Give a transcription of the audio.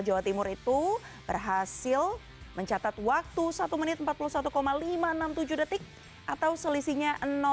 jawa timur itu berhasil mencatat waktu satu menit empat puluh satu lima ratus enam puluh tujuh detik atau selisihnya tiga ratus tiga puluh lima